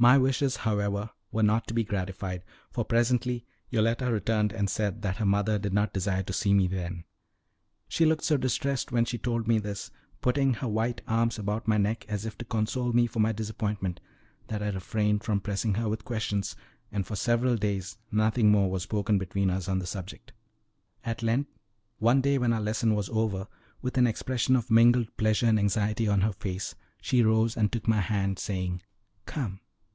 My wishes, however, were not to be gratified, for presently Yoletta returned and said that her mother did not desire to see me then. She looked so distressed when she told me this, putting her white arms about my neck as if to console me for my disappointment, that I refrained from pressing her with questions, and for several days nothing more was spoken between us on the subject. At length, one day when our lesson was over, with an expression of mingled pleasure and anxiety on her face, she rose and took my hand, saying, "Come."